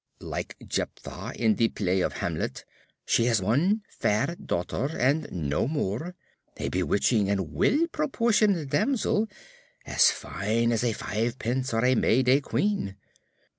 Like Jepthah, in the play of Hamlet, she has one fair daughter and no more, a bewitching and well proportioned damsel, as fine as a fivepence or a May day queen.